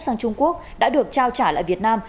sang trung quốc đã được trao trả lại việt nam